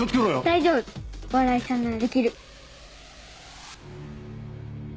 大丈夫お笑いさんならできる。